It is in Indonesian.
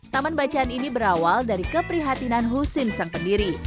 taman bacaan ini berawal dari keprihatinan husin sang pendiri